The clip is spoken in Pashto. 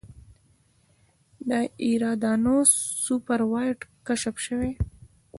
د ایریدانوس سوپر وایډ کشف شوی.